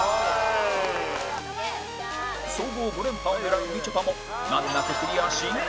総合５連覇を狙うみちょぱも難なくクリアし